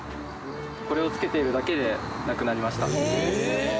これをつけているだけでなくなりました。